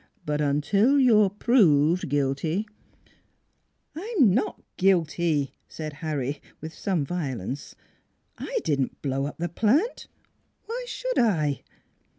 But until you're proved guilty "" I'm not guilty," said Harry, with some vio lence. " I didn't blow up the plant. Why should I?"